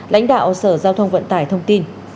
lãnh đạo sở giao thông vận tải thông tin